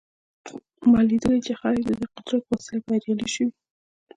ما لیدلي چې خلک د دغه قدرت په وسیله بریالي شوي